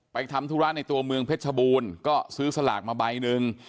ทำธุระในตัวเมืองเพชรชบูรณ์ก็ซื้อสลากมาใบหนึ่ง